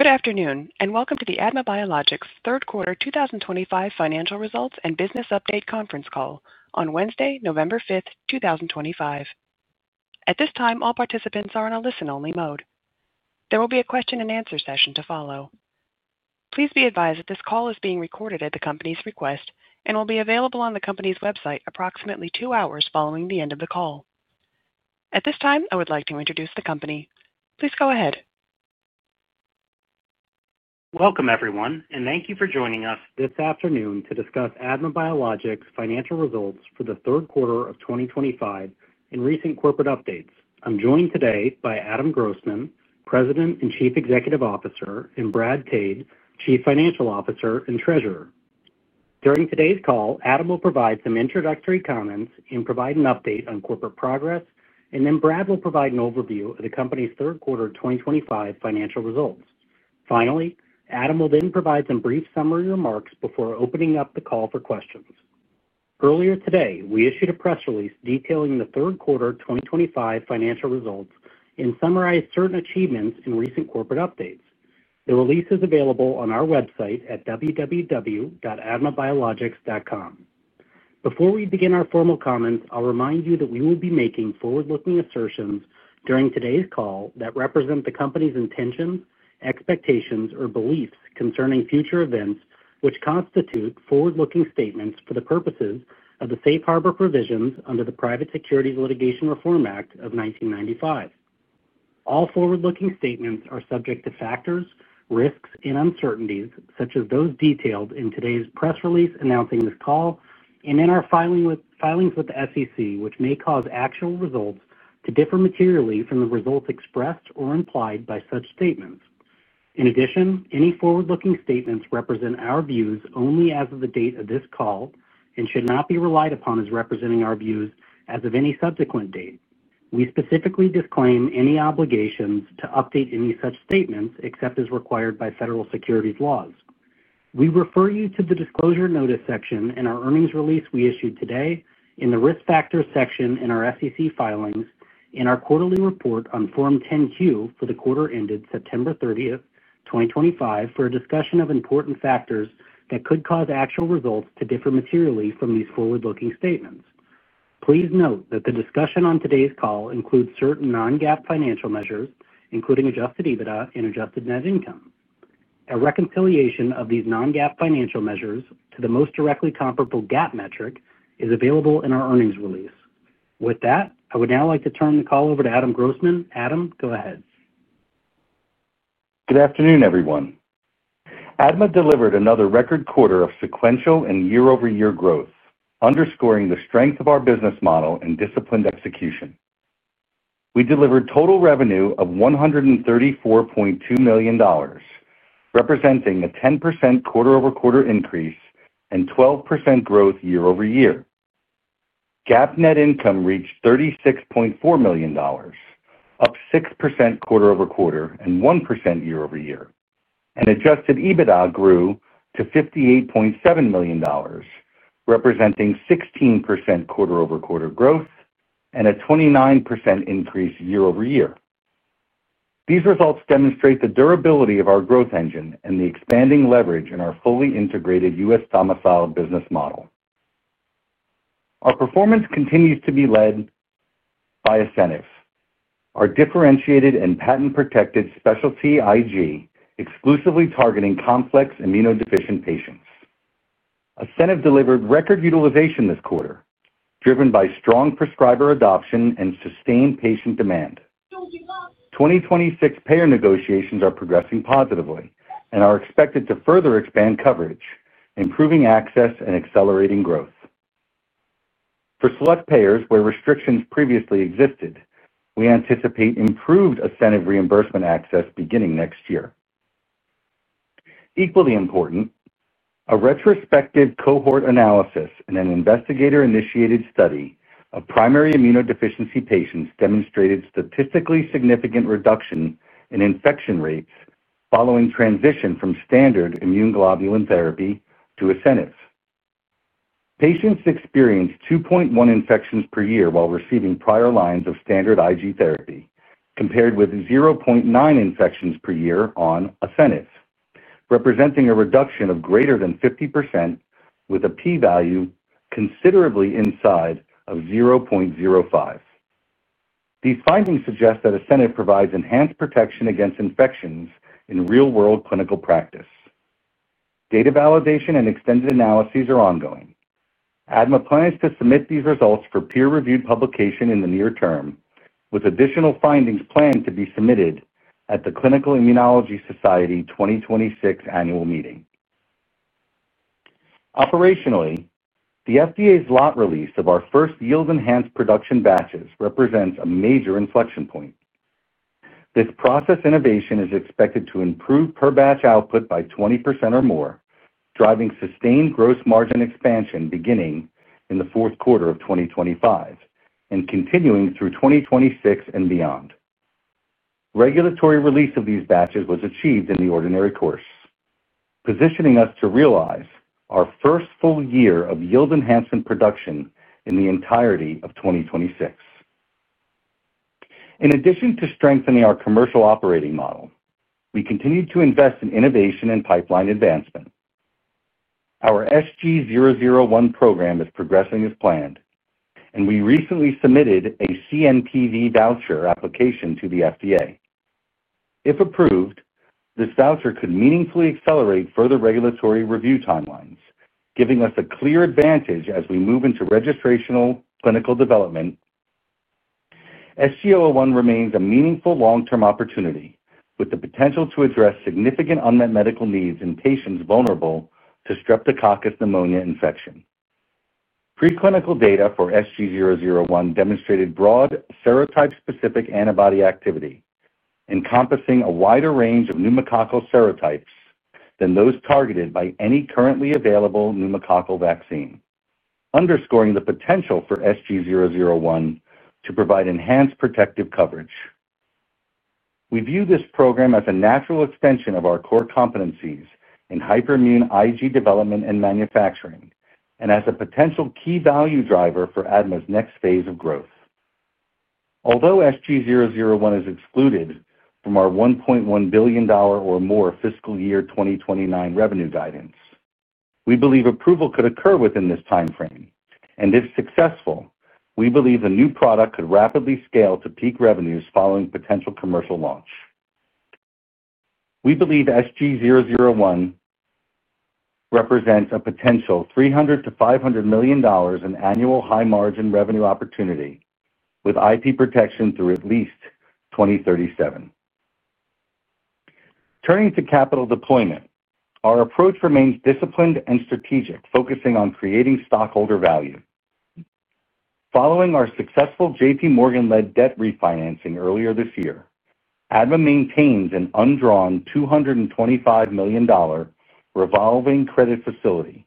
Good afternoon, and welcome to the ADMA Biologics third quarter 2025 financial results and business update conference call on Wednesday, November 5th, 2025. At this time, all participants are in a listen-only mode. There will be a question-and-answer session to follow. Please be advised that this call is being recorded at the company's request and will be available on the company's website approximately two hours following the end of the call. At this time, I would like to introduce the company. Please go ahead. Welcome, everyone, and thank you for joining us this afternoon to discuss ADMA Biologics' financial results for the third quarter of 2025 and recent corporate updates. I'm joined today by Adam Grossman, President and Chief Executive Officer, and Brad Tade, Chief Financial Officer and Treasurer. During today's call, Adam will provide some introductory comments and provide an update on corporate progress, and then Brad will provide an overview of the company's third quarter 2025 financial results. Finally, Adam will then provide some brief summary remarks before opening up the call for questions. Earlier today, we issued a press release detailing the third quarter 2025 financial results and summarized certain achievements and recent corporate updates. The release is available on our website at www.admabiologics.com. Before we begin our formal comments, I'll remind you that we will be making forward-looking assertions during today's call that represent the company's intentions, expectations, or beliefs concerning future events which constitute forward-looking statements for the purposes of the Safe Harbor provisions under the Private Securities Litigation Reform Act of 1995. All forward-looking statements are subject to factors, risks, and uncertainties such as those detailed in today's press release announcing this call and in our filings with the SEC, which may cause actual results to differ materially from the results expressed or implied by such statements. In addition, any forward-looking statements represent our views only as of the date of this call and should not be relied upon as representing our views as of any subsequent date. We specifically disclaim any obligations to update any such statements except as required by federal securities laws. We refer you to the disclosure notice section in our earnings release we issued today, in the risk factors section in our SEC filings, and our quarterly report on Form 10Q for the quarter ended September 30, 2025, for a discussion of important factors that could cause actual results to differ materially from these forward-looking statements. Please note that the discussion on today's call includes certain non-GAAP financial measures, including adjusted EBITDA and adjusted net income. A reconciliation of these non-GAAP financial measures to the most directly comparable GAAP metric is available in our earnings release. With that, I would now like to turn the call over to Adam Grossman. Adam, go ahead. Good afternoon, everyone. ADMA delivered another record quarter of sequential and year-over-year growth, underscoring the strength of our business model and disciplined execution. We delivered total revenue of $134.2 million, representing a 10% quarter-over-quarter increase and 12% growth year-over-year. GAAP net income reached $36.4 million, up 6% quarter-over-quarter and 1% year-over-year, and adjusted EBITDA grew to $58.7 million, representing 16% quarter-over-quarter growth and a 29% increase year-over-year. These results demonstrate the durability of our growth engine and the expanding leverage in our fully integrated U.S. domiciled business model. Our performance continues to be led by ASCENIV, our differentiated and patent-protected specialty IG exclusively targeting complex immunodeficient patients. ASCENIV delivered record utilization this quarter, driven by strong prescriber adoption and sustained patient demand. 2026 payer negotiations are progressing positively and are expected to further expand coverage, improving access and accelerating growth. For select payers where restrictions previously existed, we anticipate improved ASCENIV reimbursement access beginning next year. Equally important, a retrospective cohort analysis and an investigator-initiated study of primary immunodeficiency patients demonstrated statistically significant reduction in infection rates following transition from standard immune globulin therapy to ASCENIV. Patients experienced 2.1 infections per year while receiving prior lines of standard IG therapy, compared with 0.9 infections per year on ASCENIV, representing a reduction of greater than 50% with a p-value considerably inside of 0.05. These findings suggest that ASCENIV provides enhanced protection against infections in real-world clinical practice. Data validation and extended analyses are ongoing. ADMA plans to submit these results for peer-reviewed publication in the near term, with additional findings planned to be submitted at the Clinical Immunology Society 2026 annual meeting. Operationally, the FDA's lot release of our first yield-enhanced production batches represents a major inflection point. This process innovation is expected to improve per-batch output by 20% or more, driving sustained gross margin expansion beginning in the fourth quarter of 2025 and continuing through 2026 and beyond. Regulatory release of these batches was achieved in the ordinary course, positioning us to realize our first full year of yield-enhancement production in the entirety of 2026. In addition to strengthening our commercial operating model, we continue to invest in innovation and pipeline advancement. Our SG-001 program is progressing as planned, and we recently submitted a CNPV Voucher application to the FDA. If approved, this voucher could meaningfully accelerate further regulatory review timelines, giving us a clear advantage as we move into registrational clinical development. SG-001 remains a meaningful long-term opportunity with the potential to address significant unmet medical needs in patients vulnerable to Streptococcus pneumoniae infection. Preclinical data for SG-001 demonstrated broad serotype-specific antibody activity, encompassing a wider range of pneumococcal serotypes than those targeted by any currently available pneumococcal vaccine, underscoring the potential for SG-001 to provide enhanced protective coverage. We view this program as a natural extension of our core competencies in hyperimmune IG development and manufacturing and as a potential key value driver for ADMA's next phase of growth. Although SG-001 is excluded from our $1.1 billion or more fiscal year 2029 revenue guidance, we believe approval could occur within this timeframe, and if successful, we believe the new product could rapidly scale to peak revenues following potential commercial launch. We believe SG-001 represents a potential $300 million-$500 million in annual high-margin revenue opportunity with IP protection through at least 2037. Turning to capital deployment, our approach remains disciplined and strategic, focusing on creating stockholder value. Following our successful J.P. Morgan-led debt refinancing earlier this year, ADMA maintains an undrawn $225 million revolving credit facility,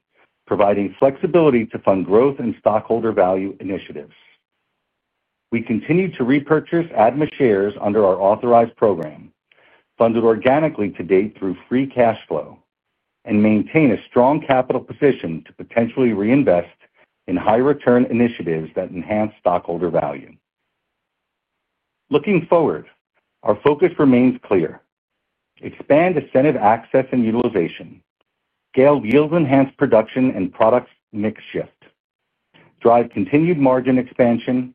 providing flexibility to fund growth and stockholder value initiatives. We continue to repurchase ADMA shares under our authorized program, funded organically to date through free cash flow, and maintain a strong capital position to potentially reinvest in high-return initiatives that enhance stockholder value. Looking forward, our focus remains clear. Expand ASCENIV access and utilization, scale yield-enhanced production and products mix shift, drive continued margin expansion,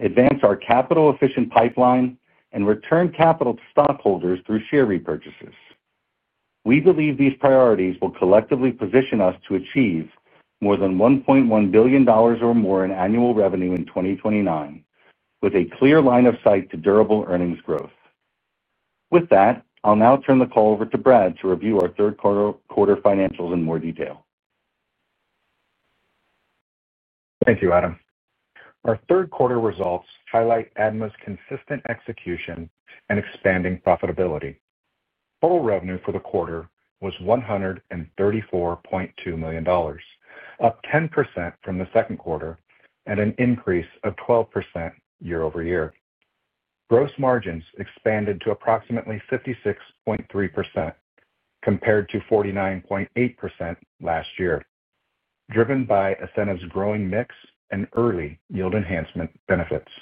advance our capital-efficient pipeline, and return capital to stockholders through share repurchases. We believe these priorities will collectively position us to achieve more than $1.1 billion or more in annual revenue in 2029, with a clear line of sight to durable earnings growth. With that, I'll now turn the call over to Brad to review our third quarter financials in more detail. Thank you, Adam. Our third quarter results highlight ADMA's consistent execution and expanding profitability. Total revenue for the quarter was $134.2 million, up 10% from the second quarter and an increase of 12% year-over-year. Gross margins expanded to approximately 56.3%, compared to 49.8% last year, driven by ASCENIV's growing mix and early yield-enhancement benefits.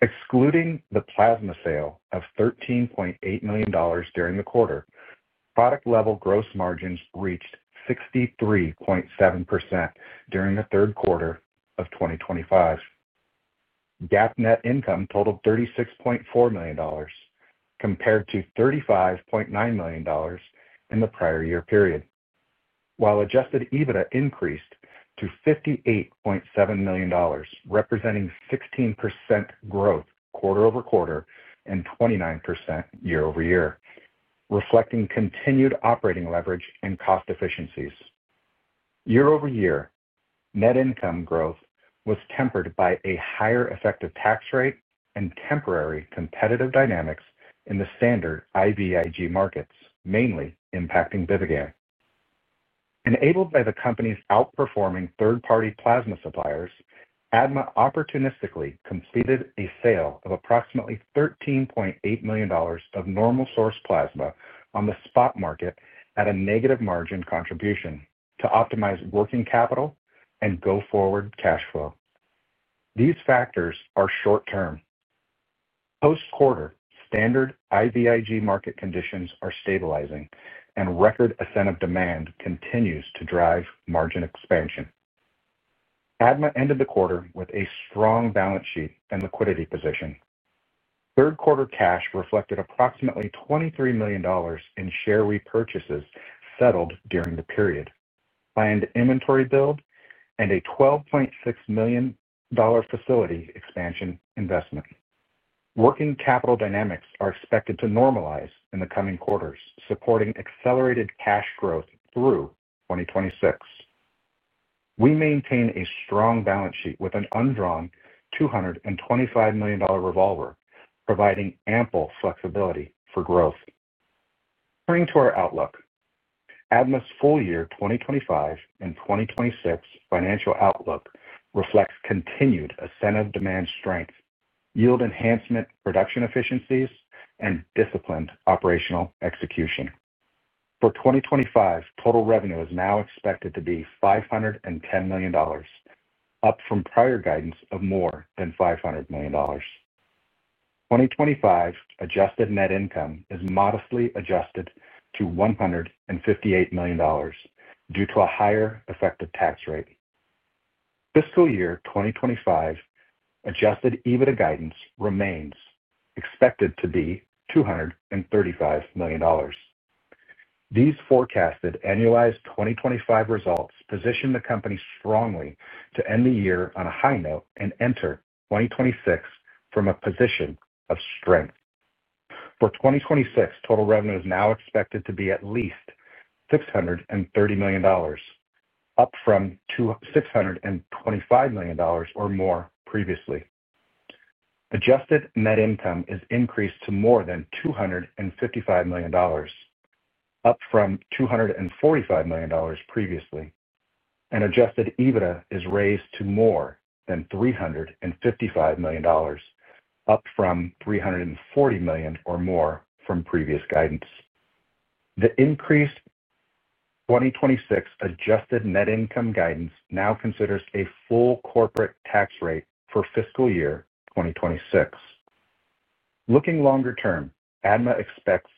Excluding the plasma sale of $13.8 million during the quarter, product-level gross margins reached 63.7% during the third quarter of 2025. GAAP net income totaled $36.4 million, compared to $35.9 million in the prior year period. While adjusted EBITDA increased to $58.7 million, representing 16% growth quarter-over-quarter and 29% year-over-year, reflecting continued operating leverage and cost efficiencies. Year-over-year, net income growth was tempered by a higher effective tax rate and temporary competitive dynamics in the standard IVIG markets, mainly impacting BIVIGAM. Enabled by the company's outperforming third-party plasma suppliers, ADMA opportunistically completed a sale of approximately $13.8 million of normal-source plasma on the spot market at a negative margin contribution to optimize working capital and go forward cash flow. These factors are short-term. Post-quarter, standard IVIG market conditions are stabilizing, and record ASCENIV demand continues to drive margin expansion. ADMA ended the quarter with a strong balance sheet and liquidity position. Third-quarter cash reflected approximately $23 million in share repurchases settled during the period, planned inventory build, and a $12.6 million facility expansion investment. Working capital dynamics are expected to normalize in the coming quarters, supporting accelerated cash growth through 2026. We maintain a strong balance sheet with an undrawn $225 million revolver, providing ample flexibility for growth. Turning to our outlook, ADMA's full year 2025 and 2026 financial outlook reflects continued ASCENIV demand strength, yield-enhancement production efficiencies, and disciplined operational execution. For 2025, total revenue is now expected to be $510 million, up from prior guidance of more than $500 million. 2025 adjusted net income is modestly adjusted to $158 million due to a higher effective tax rate. Fiscal year 2025. Adjusted EBITDA guidance remains expected to be $235 million. These forecasted annualized 2025 results position the company strongly to end the year on a high note and enter 2026 from a position of strength. For 2026, total revenue is now expected to be at least $630 million, up from $625 million or more previously. Adjusted net income is increased to more than $255 million. Up from $245 million previously, and adjusted EBITDA is raised to more than $355 million, up from $340 million or more from previous guidance. The increased 2026 adjusted net income guidance now considers a full corporate tax rate for fiscal year 2026. Looking longer term, ADMA expects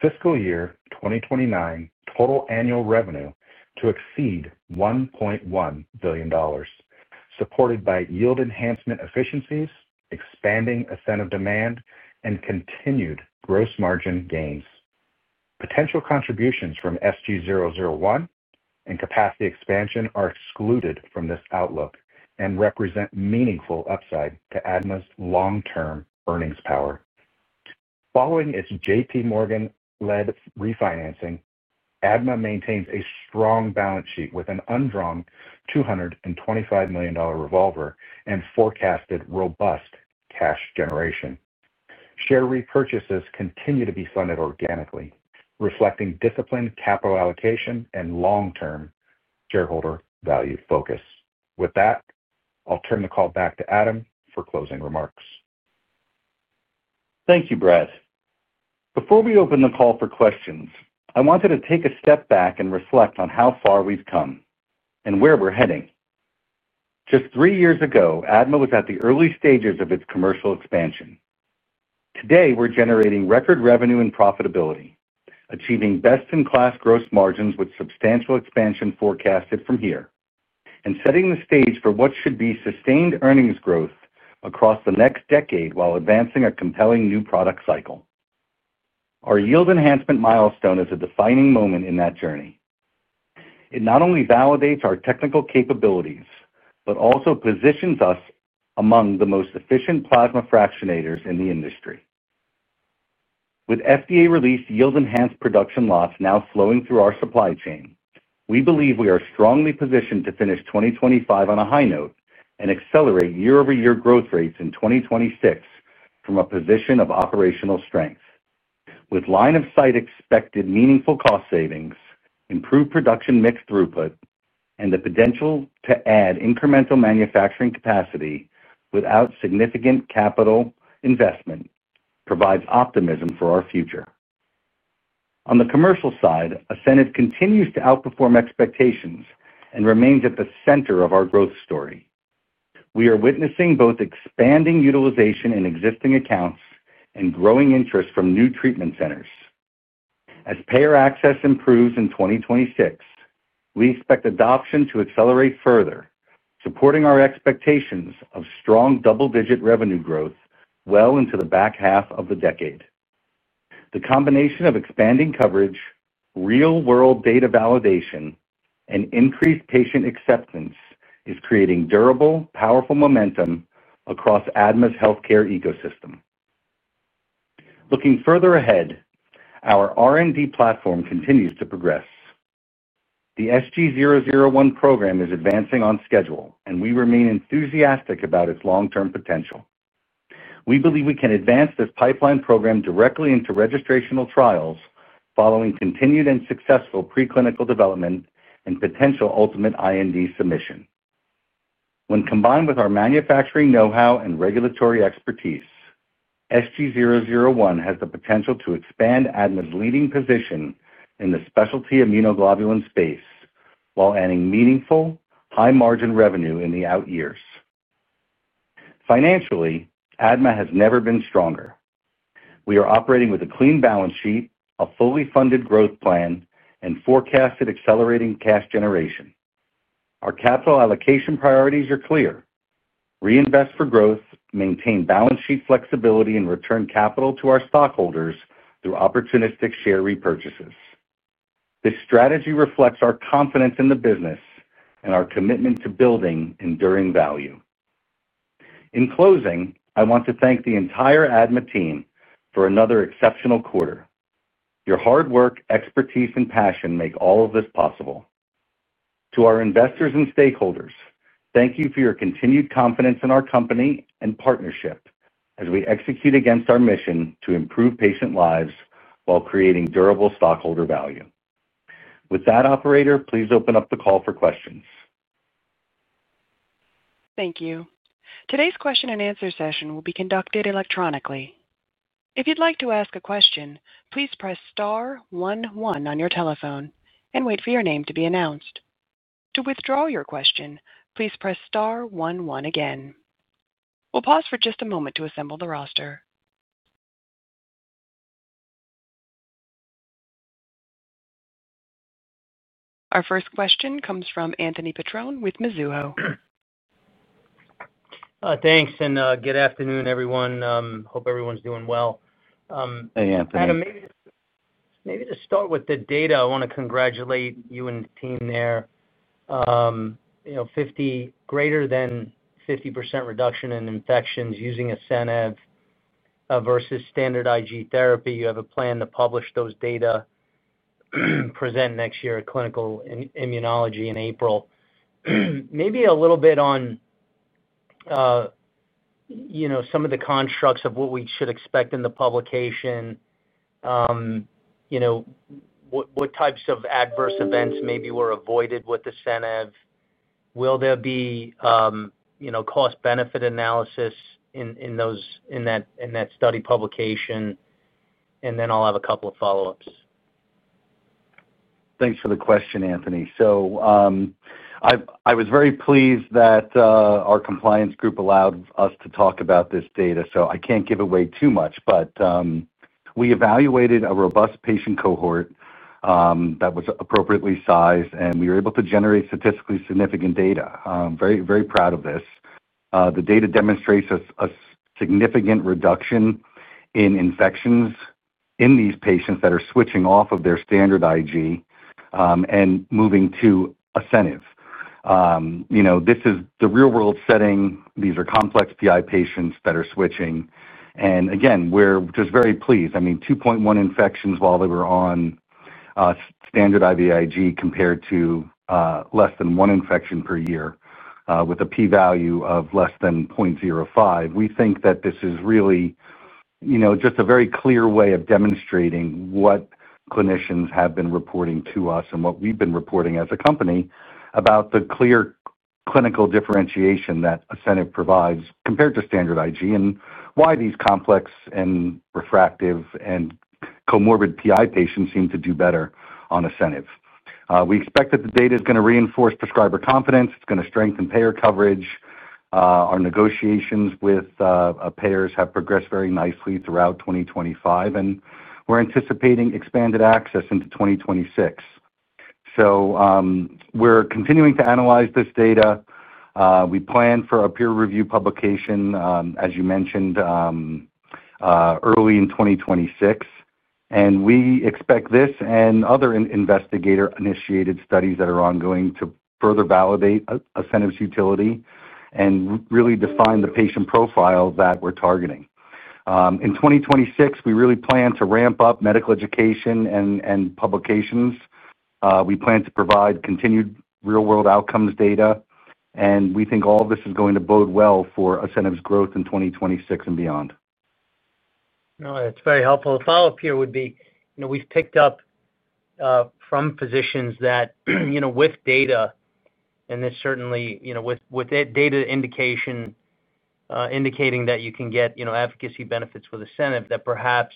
fiscal year 2029 total annual revenue to exceed $1.1 billion, supported by yield-enhancement efficiencies, expanding ASCENIV demand, and continued gross margin gains. Potential contributions from SG-001 and capacity expansion are excluded from this outlook and represent meaningful upside to ADMA's long-term earnings power. Following its J.P. Morgan-led refinancing, ADMA maintains a strong balance sheet with an undrawn $225 million revolver and forecasted robust cash generation. Share repurchases continue to be funded organically, reflecting disciplined capital allocation and long-term shareholder value focus. With that, I'll turn the call back to Adam for closing remarks. Thank you, Brad. Before we open the call for questions, I wanted to take a step back and reflect on how far we've come and where we're heading. Just three years ago, ADMA was at the early stages of its commercial expansion. Today, we're generating record revenue and profitability, achieving best-in-class gross margins with substantial expansion forecasted from here, and setting the stage for what should be sustained earnings growth across the next decade while advancing a compelling new product cycle. Our yield-enhancement milestone is a defining moment in that journey. It not only validates our technical capabilities but also positions us among the most efficient plasma fractionators in the industry. With FDA-released yield-enhanced production lots now flowing through our supply chain, we believe we are strongly positioned to finish 2025 on a high note and accelerate year-over-year growth rates in 2026 from a position of operational strength. With line of sight expected meaningful cost savings, improved production mix throughput, and the potential to add incremental manufacturing capacity without significant capital investment, it provides optimism for our future. On the commercial side, ASCENIV continues to outperform expectations and remains at the center of our growth story. We are witnessing both expanding utilization in existing accounts and growing interest from new treatment centers. As payer access improves in 2026, we expect adoption to accelerate further, supporting our expectations of strong double-digit revenue growth well into the back half of the decade. The combination of expanding coverage, real-world data validation, and increased patient acceptance is creating durable, powerful momentum across ADMA's healthcare ecosystem. Looking further ahead, our R&D platform continues to progress. The SG-001 program is advancing on schedule, and we remain enthusiastic about its long-term potential. We believe we can advance this pipeline program directly into registrational trials following continued and successful preclinical development and potential ultimate IND submission. When combined with our manufacturing know-how and regulatory expertise, SG-001 has the potential to expand ADMA's leading position in the specialty immunoglobulin space while adding meaningful high-margin revenue in the out years. Financially, ADMA has never been stronger. We are operating with a clean balance sheet, a fully funded growth plan, and forecasted accelerating cash generation. Our capital allocation priorities are clear: reinvest for growth, maintain balance sheet flexibility, and return capital to our stockholders through opportunistic share repurchases. This strategy reflects our confidence in the business and our commitment to building enduring value. In closing, I want to thank the entire ADMA team for another exceptional quarter. Your hard work, expertise, and passion make all of this possible. To our investors and stakeholders, thank you for your continued confidence in our company and partnership as we execute against our mission to improve patient lives while creating durable stockholder value. With that, operator, please open up the call for questions. Thank you. Today's question-and-answer session will be conducted electronically. If you'd like to ask a question, please press star 11 on your telephone and wait for your name to be announced. To withdraw your question, please press star 11 again. We'll pause for just a moment to assemble the roster. Our first question comes from Anthony Petrone with Mizuho. Thanks, and good afternoon, everyone. Hope everyone's doing well. Hey, Anthony. Adam, maybe. To start with the data, I want to congratulate you and the team there. Greater than 50% reduction in infections using ASCENIV versus standard IG therapy. You have a plan to publish those data. Present next year at Clinical Immunology in April. Maybe a little bit on some of the constructs of what we should expect in the publication. What types of adverse events maybe were avoided with ASCENIV? Will there be cost-benefit analysis in that study publication? And then I'll have a couple of follow-ups. Thanks for the question, Anthony. I was very pleased that our compliance group allowed us to talk about this data. I can't give away too much. We evaluated a robust patient cohort that was appropriately sized, and we were able to generate statistically significant data. Very proud of this. The data demonstrates a significant reduction in infections in these patients that are switching off of their standard IG and moving to ASCENIV. This is the real-world setting. These are complex PI patients that are switching. Again, we're just very pleased. I mean, 2.1 infections while they were on standard IVIG compared to less than one infection per year with a P-value of less than 0.05. We think that this is really. Just a very clear way of demonstrating what clinicians have been reporting to us and what we've been reporting as a company about the clear clinical differentiation that ASCENIV provides compared to standard IG and why these complex and refractive and comorbid PI patients seem to do better on ASCENIV. We expect that the data is going to reinforce prescriber confidence. It's going to strengthen payer coverage. Our negotiations with payers have progressed very nicely throughout 2025, and we're anticipating expanded access into 2026. We're continuing to analyze this data. We plan for a peer review publication, as you mentioned, early in 2026. We expect this and other investigator-initiated studies that are ongoing to further validate ASCENIV's utility and really define the patient profile that we're targeting. In 2026, we really plan to ramp up medical education and publications. We plan to provide continued real-world outcomes data, and we think all of this is going to bode well for ASCENIV's growth in 2026 and beyond. No, it's very helpful. The follow-up here would be we've picked up from physicians that with data, and this certainly with data indicating that you can get efficacy benefits with ASCENIV, that perhaps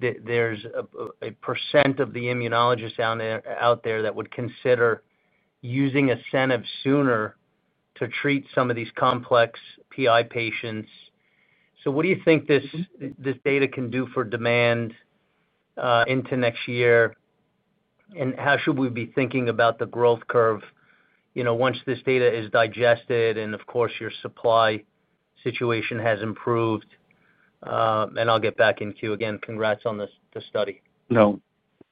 there's a percent of the immunologists out there that would consider using ASCENIV sooner to treat some of these complex PI patients. What do you think this data can do for demand into next year? How should we be thinking about the growth curve once this data is digested and, of course, your supply situation has improved? I'll get back in queue again. Congrats on the study. No,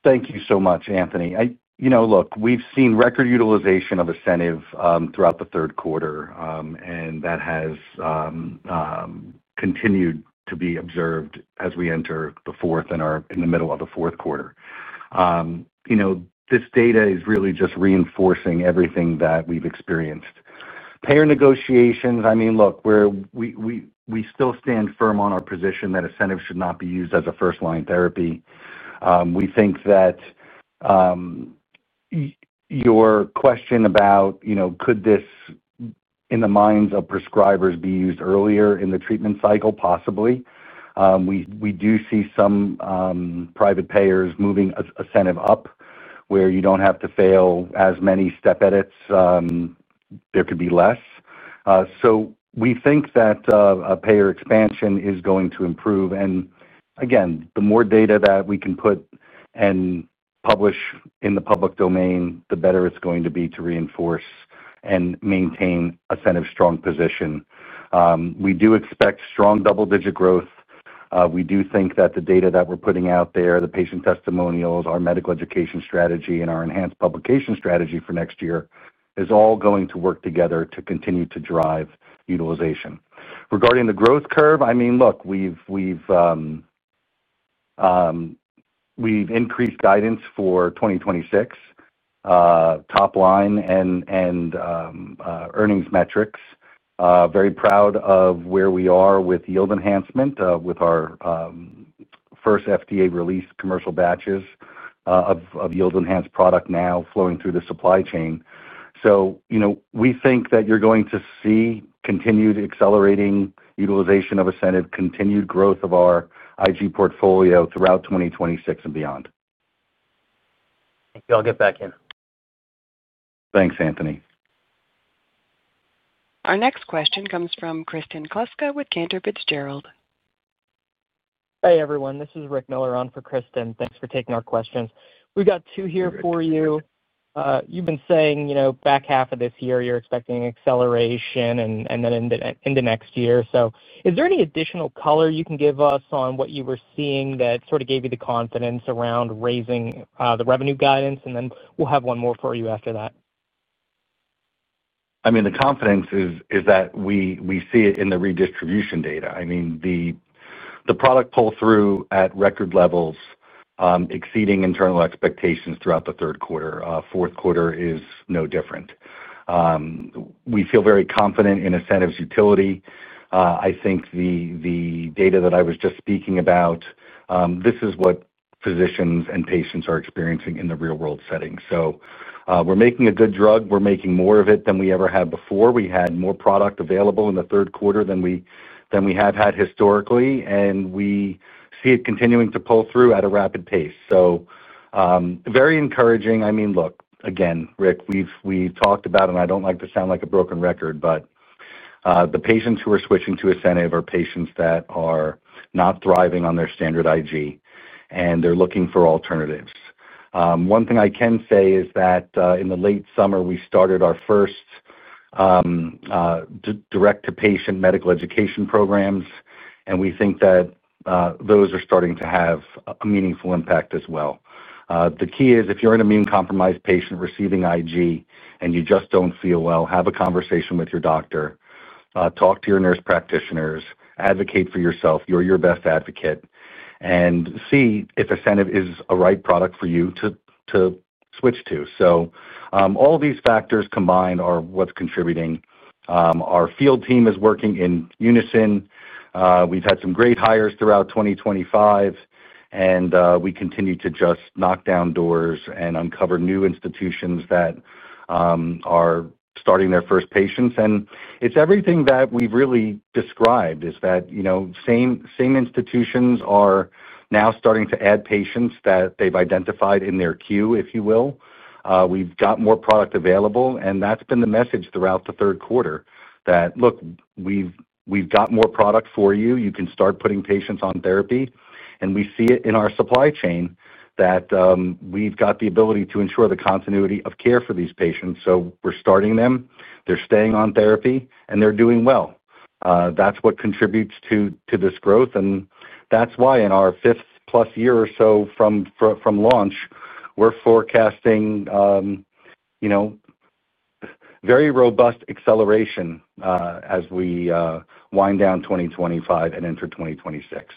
thank you so much, Anthony. Look, we've seen record utilization of ASCENIV throughout the third quarter, and that has continued to be observed as we enter the fourth and are in the middle of the fourth quarter. This data is really just reinforcing everything that we've experienced. Payer negotiations, I mean, look. We still stand firm on our position that ASCENIV should not be used as a first-line therapy. We think that your question about could this, in the minds of prescribers, be used earlier in the treatment cycle, possibly. We do see some private payers moving ASCENIV up where you don't have to fail as many step edits. There could be less. We think that payer expansion is going to improve. Again, the more data that we can put. Publish in the public domain, the better it's going to be to reinforce and maintain ASCENIV's strong position. We do expect strong double-digit growth. We do think that the data that we're putting out there, the patient testimonials, our medical education strategy, and our enhanced publication strategy for next year is all going to work together to continue to drive utilization. Regarding the growth curve, I mean, look, we've increased guidance for 2026 top line and earnings metrics. Very proud of where we are with yield enhancement with our first FDA-released commercial batches of yield-enhanced product now flowing through the supply chain. We think that you're going to see continued accelerating utilization of ASCENIV, continued growth of our IG portfolio throughout 2026 and beyond. Thank you. I'll get back in. Thanks, Anthony. Our next question comes from Kristen Kluska with Cantor Fitzgerald. Hey, everyone. This is Rick Miller on for Kristen. Thanks for taking our questions. We've got two here for you. You've been saying back half of this year you're expecting acceleration and then into next year. Is there any additional color you can give us on what you were seeing that sort of gave you the confidence around raising the revenue guidance? We have one more for you after that. I mean, the confidence is that we see it in the redistribution data. I mean, the product pull-through at record levels, exceeding internal expectations throughout the third quarter. Fourth quarter is no different. We feel very confident in ASCENIV's utility. I think the data that I was just speaking about, this is what physicians and patients are experiencing in the real-world setting. We're making a good drug. We're making more of it than we ever have before. We had more product available in the third quarter than we have had historically, and we see it continuing to pull through at a rapid pace. Very encouraging. I mean, look, again, Rick, we've talked about, and I don't like to sound like a broken record, but the patients who are switching to ASCENIV are patients that are not thriving on their standard IG, and they're looking for alternatives. One thing I can say is that in the late summer, we started our first direct-to-patient medical education programs, and we think that those are starting to have a meaningful impact as well. The key is if you're an immune-compromised patient receiving IG and you just don't feel well, have a conversation with your doctor. Talk to your nurse practitioners, advocate for yourself. You're your best advocate. See if ASCENIV is a right product for you to switch to. All these factors combined are what's contributing. Our field team is working in unison. We've had some great hires throughout 2025. We continue to just knock down doors and uncover new institutions that are starting their first patients. It's everything that we've really described is that same institutions are now starting to add patients that they've identified in their queue, if you will. We've got more product available, and that's been the message throughout the third quarter that, look, we've got more product for you. You can start putting patients on therapy. We see it in our supply chain that we've got the ability to ensure the continuity of care for these patients. We're starting them, they're staying on therapy, and they're doing well. That's what contributes to this growth. That's why in our fifth-plus year or so from launch, we're forecasting very robust acceleration as we wind down 2025 and enter 2026.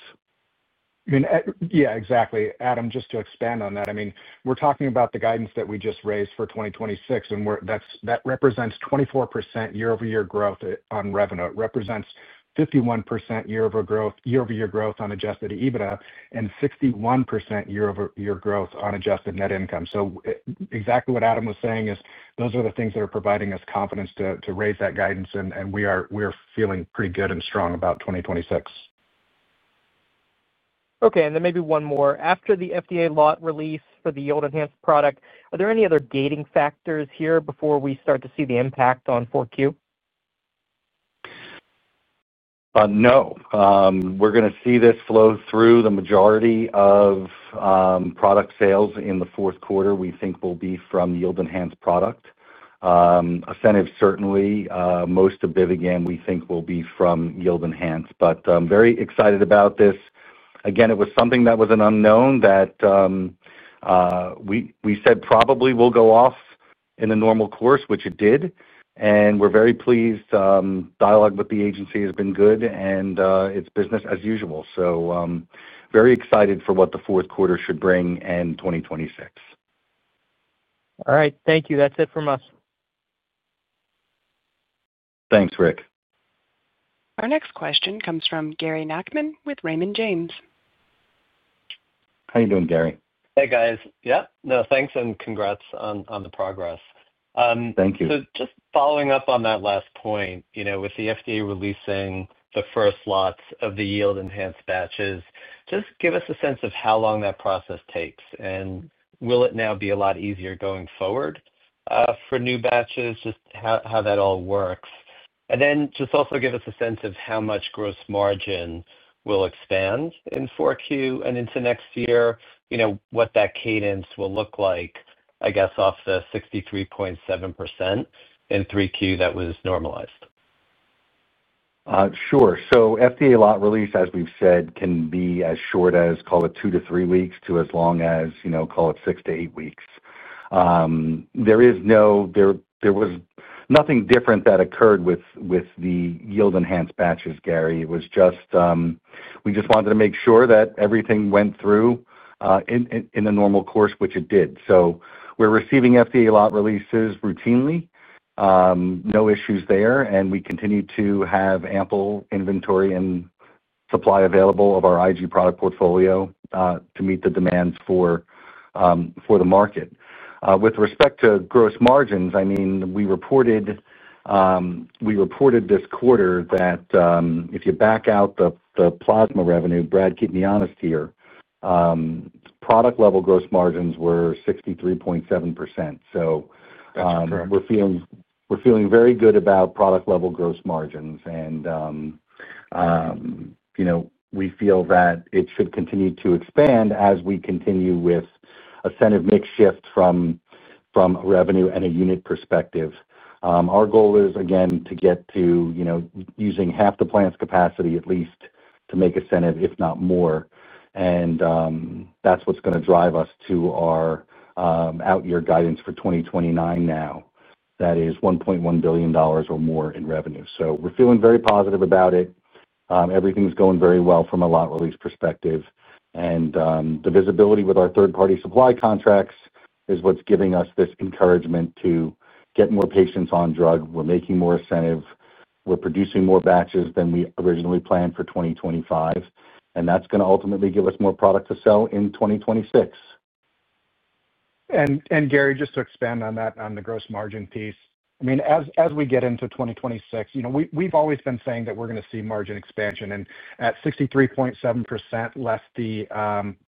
Yeah, exactly. Adam, just to expand on that, I mean, we're talking about the guidance that we just raised for 2026, and that represents 24% year-over-year growth on revenue. It represents 51% year-over-year growth on adjusted EBITDA and 61% year-over-year growth on adjusted net income. Exactly what Adam was saying is those are the things that are providing us confidence to raise that guidance, and we are feeling pretty good and strong about 2026. Okay. And then maybe one more. After the FDA lot release for the yield-enhanced product, are there any other gating factors here before we start to see the impact on 4Q? No. We're going to see this flow through the majority of product sales in the fourth quarter. We think we'll be from yield-enhanced product. ASCENIV, certainly. Most of BIVIGAM, we think, will be from yield-enhanced. I'm very excited about this. Again, it was something that was an unknown that we said probably will go off in a normal course, which it did. We're very pleased. Dialogue with the agency has been good, and it's business as usual. Very excited for what the fourth quarter should bring in 2026. All right. Thank you. That's it from us. Thanks, Rick. Our next question comes from Gary Nachman with Raymond James. How are you doing, Gary? Hey, guys. Yep. No, thanks, and congrats on the progress. Thank you. Just following up on that last point, with the FDA releasing the first lots of the yield-enhanced batches, just give us a sense of how long that process takes. Will it now be a lot easier going forward for new batches, just how that all works? Also, give us a sense of how much gross margin will expand in fourth quarter and into next year, what that cadence will look like, I guess, off the 63.7% in third quarter that was normalized. Sure. FDA lot release, as we've said, can be as short as, call it, two to three weeks to as long as, call it, six to eight weeks. There was nothing different that occurred with the yield-enhanced batches, Gary. It was just. We just wanted to make sure that everything went through in a normal course, which it did. We are receiving FDA lot releases routinely. No issues there. We continue to have ample inventory and supply available of our IG product portfolio to meet the demands for the market. With respect to gross margins, I mean, we reported this quarter that if you back out the plasma revenue, Brad here, product-level gross margins were 63.7%. That's correct. We're feeling very good about product-level gross margins. We feel that it should continue to expand as we continue with ASCENIV mix shift from a revenue and a unit perspective. Our goal is, again, to get to using half the plant's capacity at least to make ASCENIV, if not more. That's what's going to drive us to our out-year guidance for 2029 now. That is $1.1 billion or more in revenue. We're feeling very positive about it. Everything's going very well from a lot release perspective. The visibility with our third-party supply contracts is what's giving us this encouragement to get more patients on drug. We're making more ASCENIV. We're producing more batches than we originally planned for 2025. That's going to ultimately give us more product to sell in 2026. Gary, just to expand on that, on the gross margin piece, I mean, as we get into 2026, we've always been saying that we're going to see margin expansion. At 63.7% less the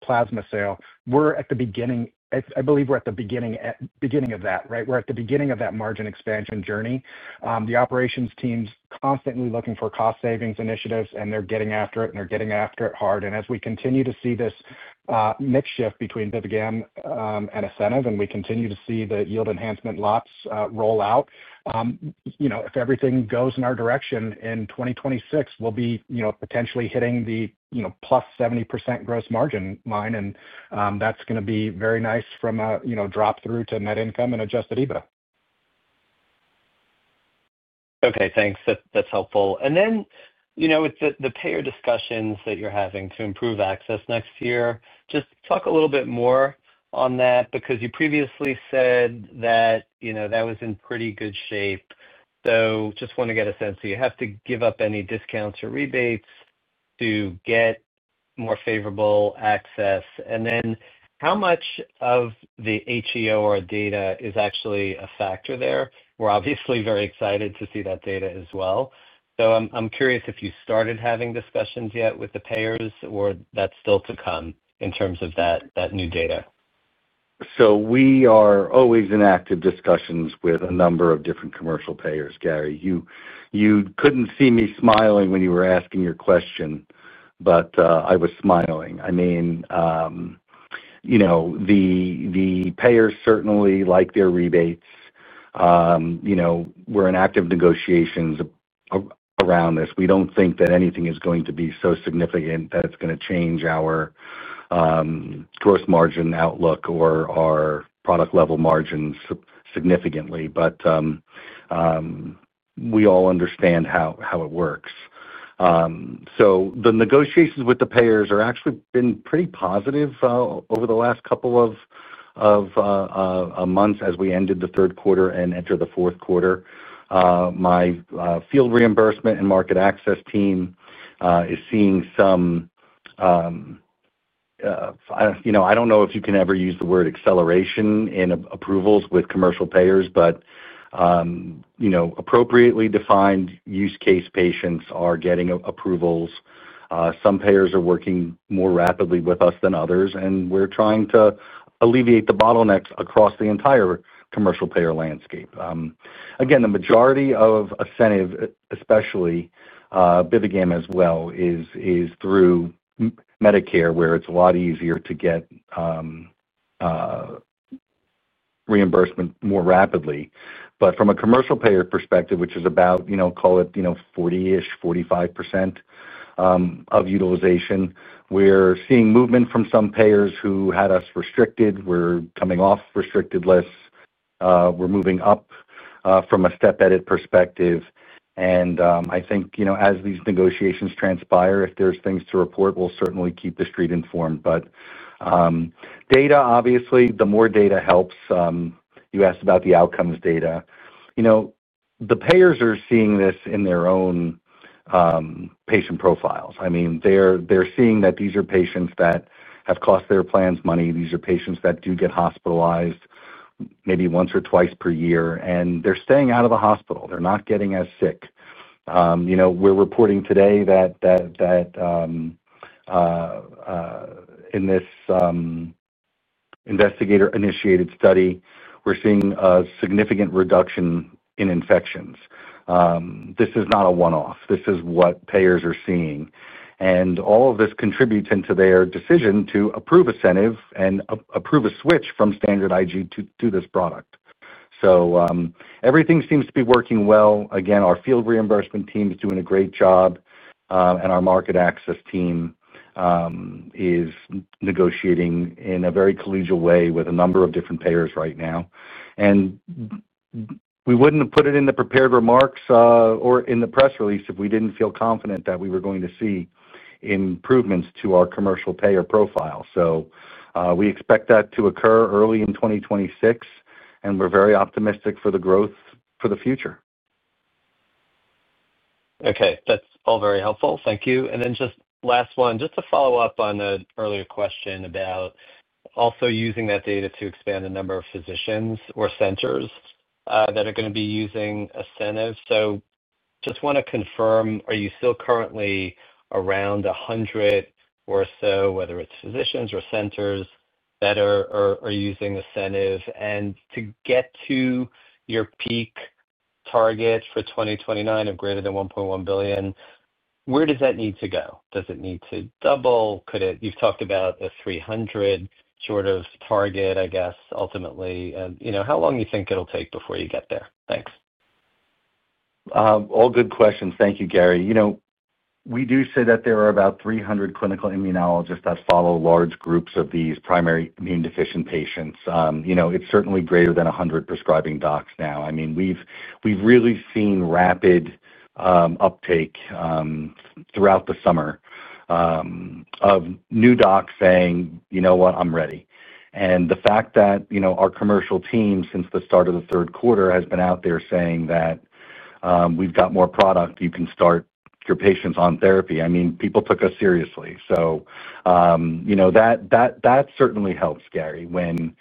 plasma sale, we're at the beginning, I believe we're at the beginning of that, right? We're at the beginning of that margin expansion journey. The operations team's constantly looking for cost-savings initiatives, and they're getting after it, and they're getting after it hard. As we continue to see this mix shift between BIVIGAM and ASCENIV, and we continue to see the yield-enhancement lots roll out. If everything goes in our direction in 2026, we'll be potentially hitting the plus 70% gross margin line. That's going to be very nice from a drop-through to net income and adjusted EBITDA. Okay. Thanks. That's helpful. The payer discussions that you're having to improve access next year, just talk a little bit more on that because you previously said that that was in pretty good shape. Just want to get a sense. Do you have to give up any discounts or rebates to get more favorable access? How much of the HEOR data is actually a factor there? We're obviously very excited to see that data as well. I'm curious if you started having discussions yet with the payers, or that's still to come in terms of that new data. We are always in active discussions with a number of different commercial payers, Gary. You could not see me smiling when you were asking your question, but I was smiling. I mean, the payers certainly like their rebates. We are in active negotiations around this. We do not think that anything is going to be so significant that it is going to change our gross margin outlook or our product-level margins significantly. We all understand how it works. The negotiations with the payers have actually been pretty positive over the last couple of months as we ended the third quarter and entered the fourth quarter. My field reimbursement and market access team is seeing some—I do not know if you can ever use the word acceleration in approvals with commercial payers, but appropriately defined use case patients are getting approvals. Some payers are working more rapidly with us than others, and we're trying to alleviate the bottlenecks across the entire commercial payer landscape. Again, the majority of ASCENIV, especially. BIVIGAM as well, is through Medicare, where it's a lot easier to get reimbursement more rapidly. From a commercial payer perspective, which is about 40%-45% of utilization, we're seeing movement from some payers who had us restricted. We're coming off restricted lists. We're moving up from a step-edit perspective. I think as these negotiations transpire, if there's things to report, we'll certainly keep the street informed. Data, obviously, the more data helps. You asked about the outcomes data. The payers are seeing this in their own patient profiles. I mean, they're seeing that these are patients that have cost their plans money. These are patients that do get hospitalized maybe once or twice per year, and they're staying out of the hospital. They're not getting as sick. We're reporting today that in this investigator-initiated study, we're seeing a significant reduction in infections. This is not a one-off. This is what payers are seeing. All of this contributes into their decision to approve ASCENIV and approve a switch from standard IG to this product. Everything seems to be working well. Again, our field reimbursement team is doing a great job. Our market access team is negotiating in a very collegial way with a number of different payers right now. We wouldn't have put it in the prepared remarks or in the press release if we didn't feel confident that we were going to see improvements to our commercial payer profile. We expect that to occur early in 2026, and we're very optimistic for the growth for the future. Okay. That's all very helpful. Thank you. Just last one, just to follow up on an earlier question about also using that data to expand the number of physicians or centers that are going to be using ASCENIV. Just want to confirm, are you still currently around 100 or so, whether it's physicians or centers that are using ASCENIV? To get to your peak target for 2029 of greater than $1.1 billion, where does that need to go? Does it need to double? You've talked about a 300 short of target, I guess, ultimately. How long do you think it'll take before you get there? Thanks. All good questions. Thank you, Gary. We do say that there are about 300 clinical immunologists that follow large groups of these primary immune-deficient patients. It's certainly greater than 100 prescribing docs now. I mean, we've really seen rapid uptake throughout the summer of new docs saying, "You know what? I'm ready." The fact that our commercial team, since the start of the third quarter, has been out there saying, "We've got more product. You can start your patients on therapy." I mean, people took us seriously. That certainly helps, Gary, when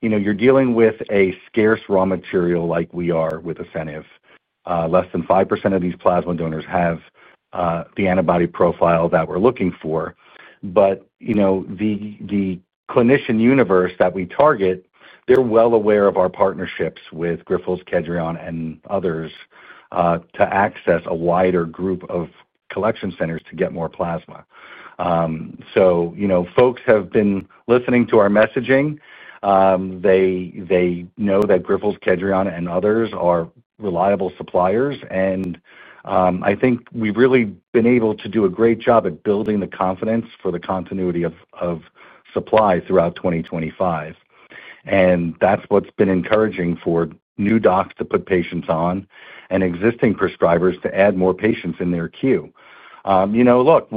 you're dealing with a scarce raw material like we are with ASCENIV. Less than 5% of these plasma donors have the antibody profile that we're looking for. The clinician universe that we target, they're well aware of our partnerships with Grifols, Kedrion, and others to access a wider group of collection centers to get more plasma. So folks have been listening to our messaging. They know that Grifols, Kedrion, and others are reliable suppliers. I think we've really been able to do a great job at building the confidence for the continuity of supply throughout 2025. That's what's been encouraging for new docs to put patients on and existing prescribers to add more patients in their queue. Look.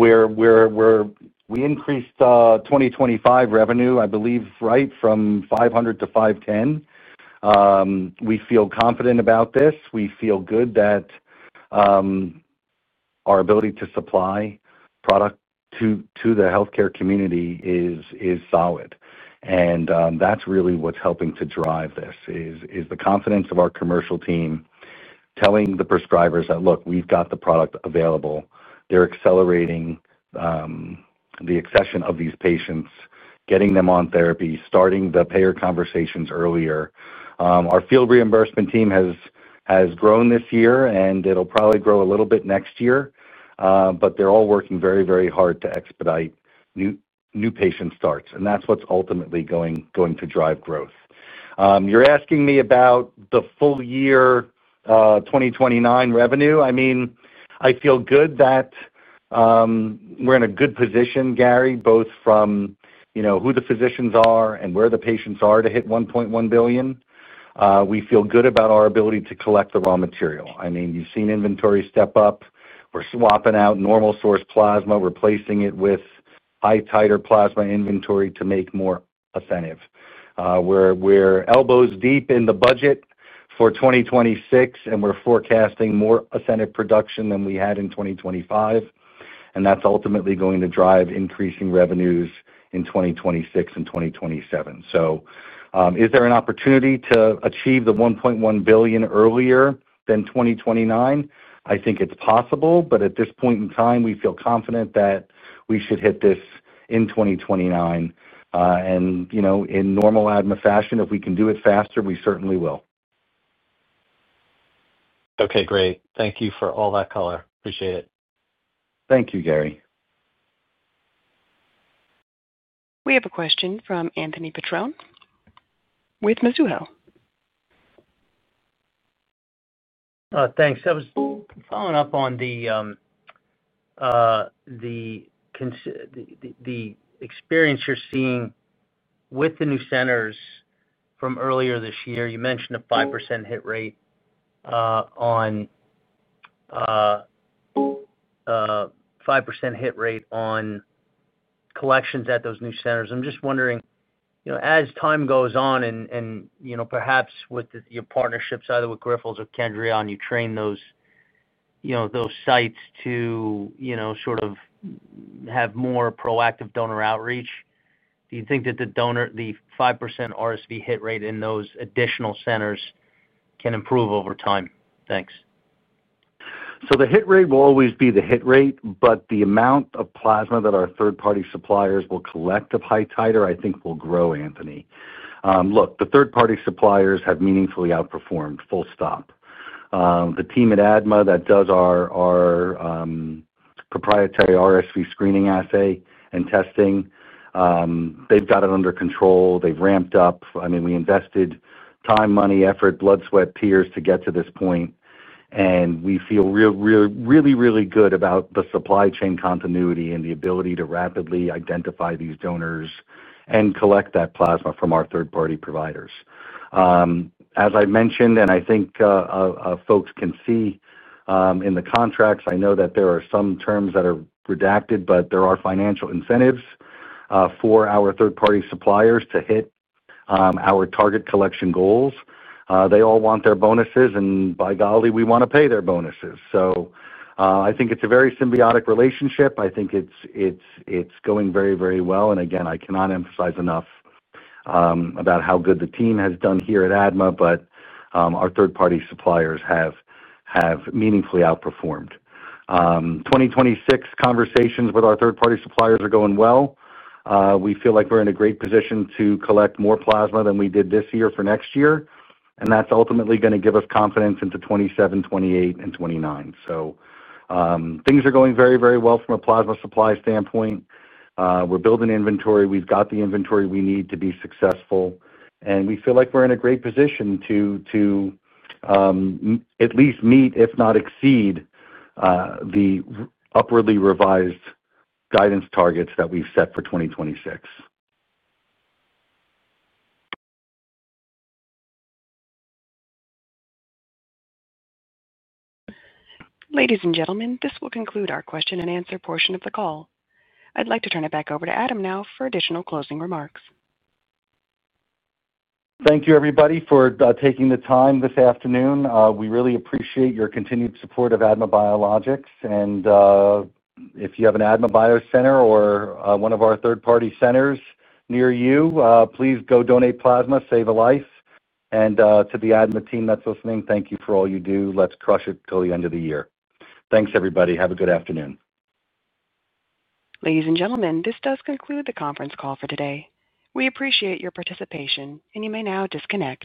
We increased 2025 revenue, I believe, right from $500 million-$510 million. We feel confident about this. We feel good that our ability to supply product to the healthcare community is solid. That's really what's helping to drive this, is the confidence of our commercial team telling the prescribers that, "Look, we've got the product available. They're accelerating. The accession of these patients, getting them on therapy, starting the payer conversations earlier. Our field reimbursement team has grown this year, and it'll probably grow a little bit next year. They're all working very, very hard to expedite new patient starts. That's what's ultimately going to drive growth. You're asking me about the full year 2029 revenue? I mean, I feel good that we're in a good position, Gary, both from who the physicians are and where the patients are to hit $1.1 billion. We feel good about our ability to collect the raw material. I mean, you've seen inventory step up. We're swapping out normal source plasma, replacing it with high-titer plasma inventory to make more ASCENIV. We're elbows deep in the budget for 2026, and we're forecasting more ASCENIV production than we had in 2025. That's ultimately going to drive increasing revenues in 2026 and 2027. Is there an opportunity to achieve the $1.1 billion earlier than 2029? I think it's possible. At this point in time, we feel confident that we should hit this in 2029. In normal ADMA fashion, if we can do it faster, we certainly will. Okay. Great. Thank you for all that color. Appreciate it. Thank you, Gary. We have a question from Anthony Petrone with Mizuho. Thanks. I was following up on the experience you're seeing with the new centers from earlier this year. You mentioned a 5% hit rate on a 5% hit rate on collections at those new centers. I'm just wondering, as time goes on and perhaps with your partnerships, either with Grifols or Kedrion, you train those sites to sort of have more proactive donor outreach, do you think that the 5% RSV hit rate in those additional centers can improve over time? Thanks. The hit rate will always be the hit rate, but the amount of plasma that our third-party suppliers will collect of high-titer, I think, will grow, Anthony. Look, the third-party suppliers have meaningfully outperformed. Full stop. The team at ADMA that does our proprietary RSV screening assay and testing, they've got it under control. They've ramped up. I mean, we invested time, money, effort, blood, sweat, tears to get to this point. We feel really, really good about the supply chain continuity and the ability to rapidly identify these donors and collect that plasma from our third-party providers. As I mentioned, and I think folks can see in the contracts, I know that there are some terms that are redacted, but there are financial incentives for our third-party suppliers to hit our target collection goals. They all want their bonuses, and by golly, we want to pay their bonuses. I think it's a very symbiotic relationship. I think it's going very, very well. Again, I cannot emphasize enough about how good the team has done here at ADMA, but our third-party suppliers have meaningfully outperformed. 2026 conversations with our third-party suppliers are going well. We feel like we're in a great position to collect more plasma than we did this year for next year. That's ultimately going to give us confidence into 2027, 2028, and 2029. Things are going very, very well from a plasma supply standpoint. We're building inventory. We've got the inventory we need to be successful. We feel like we're in a great position to at least meet, if not exceed, the upwardly revised guidance targets that we've set for 2026. Ladies and gentlemen, this will conclude our question-and-answer portion of the call. I'd like to turn it back over to Adam now for additional closing remarks. Thank you, everybody, for taking the time this afternoon. We really appreciate your continued support of ADMA Biologics. If you have an ADMA BioCenter or one of our third-party centers near you, please go donate plasma, save a life. To the ADMA team that's listening, thank you for all you do. Let's crush it till the end of the year. Thanks, everybody. Have a good afternoon. Ladies and gentlemen, this does conclude the conference call for today. We appreciate your participation, and you may now disconnect.